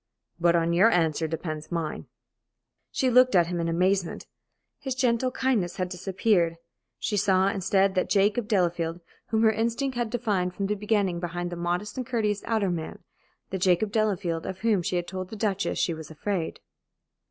"But on your answer depends mine." She looked at him in amazement. His gentle kindness had disappeared. She saw, instead, that Jacob Delafield whom her instinct had divined from the beginning behind the modest and courteous outer man, the Jacob Delafield of whom she had told the Duchess she was afraid.